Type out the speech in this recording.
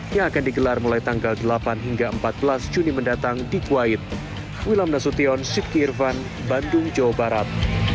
yang akan digelar mulai tanggal delapan hingga empat belas juni mendatang di kuwait